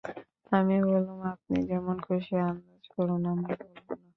আমি বললুম, আপনি যেমন-খুশি আন্দাজ করুন, আমি বলব না।